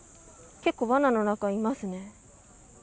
結構、わなの中にいますね。